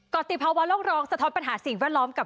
ติภาวะโลกร้องสะท้อนปัญหาสิ่งแวดล้อมกับ